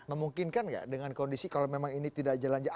memungkinkan nggak dengan kondisi kalau memang ini tidak jalan jalan